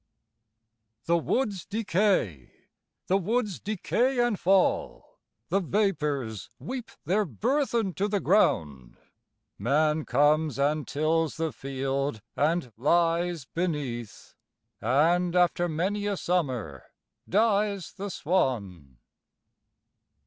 The woods decay, the woods decay and fall, The vapors weep their burthen to the ground, Man comes and tills the field and lies beneath, And after many a summer dies the swan.